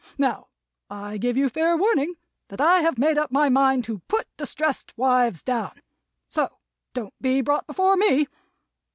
Now, I give you fair warning, that I have made up my mind to Put distressed wives Down. So, don't be brought before me.